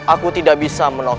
aku tidak bisa menolak